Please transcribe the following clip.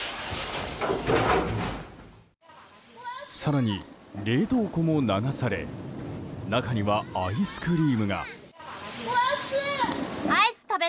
更に、冷凍庫も流され中にはアイスクリームが。